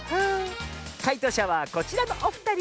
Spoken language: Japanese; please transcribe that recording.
かいとうしゃはこちらのおふたり！